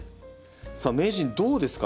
さあ名人どうですか？